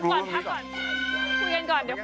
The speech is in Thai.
คุยกันก่อนเดี๋ยว